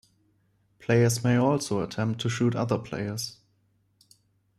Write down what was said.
Players may also attempt to shoot other players.